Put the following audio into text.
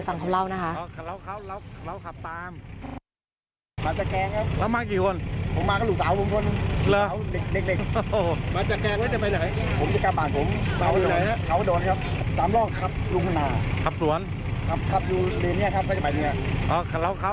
ฟังเขาเล่านะคะ